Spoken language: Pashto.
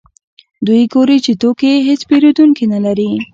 دوی ګوري چې توکي یې هېڅ پېرودونکي نلري